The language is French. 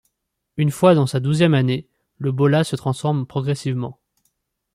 Une fois dans sa douzième année, le bolla se transforme progressivement.